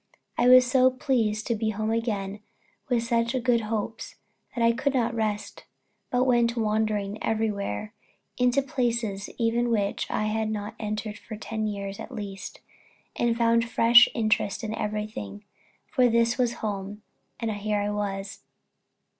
I was so pleased to be at home again with such good hopes, that I could not rest, but went wandering everywhere into places even which I had not entered for ten years at least, and found fresh interest in everything; for this was home, and here I was.